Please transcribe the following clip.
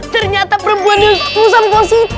ternyata perempuan yang pusing positif